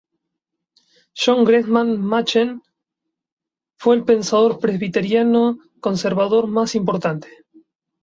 John Gresham Machen fue el pensador presbiteriano conservador más importante.